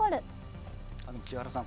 木原さん